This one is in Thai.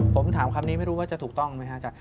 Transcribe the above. ผมถามคำนี้ไม่รู้ว่าจะถูกต้องไหมครับอาจาร